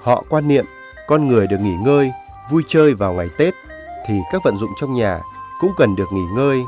họ quan niệm con người được nghỉ ngơi vui chơi vào ngày tết thì các vận dụng trong nhà cũng cần được nghỉ ngơi